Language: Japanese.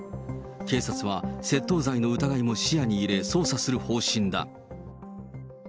警察は窃盗罪の疑いも視野に入れ、捜査する方針だ。